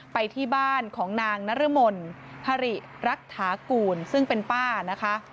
ไปที่บ้านของนางนรมนฮาริรักฐากูลซึ่งเป็นป้านะคะ